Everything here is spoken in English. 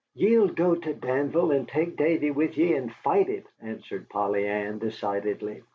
"Ye'll go to Danville and take Davy with ye and fight it," answered Polly Ann, decidedly.